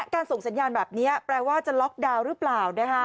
ส่งสัญญาณแบบนี้แปลว่าจะล็อกดาวน์หรือเปล่า